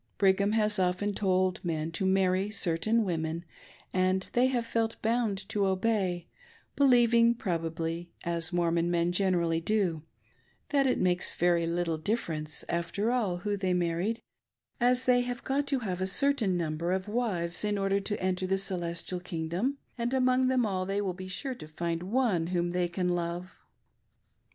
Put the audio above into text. Brigham has often told men to marry certain women, and they have felt bound to obey, believing, probably, as Mormon men generally do, that it makes very little difference, after all, who they married, as they have got to have a certain number of wives in order to enter the " Celestial Kingdom," and among them all they will be sure to find one whom they can love.